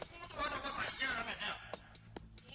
itu ada apa saya kak benya